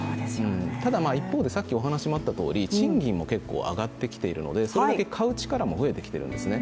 ただ一方で、賃金も結構上がってきているのでそれだけ買う力も増えてきているんですね。